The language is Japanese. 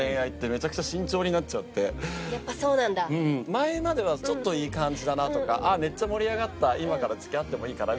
前まではちょっといい感じだなとかあっめっちゃ盛り上がった今から付き合ってもいいかな？